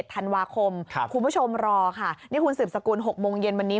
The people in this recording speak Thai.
ธันวาคมคุณผู้ชมรอค่ะนี่คุณสืบสกุล๖โมงเย็นวันนี้